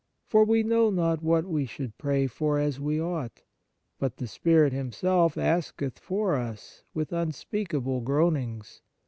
For we know not what we should pray for as we ought : but the Spirit Himself asketh for us with unspeakable groanings.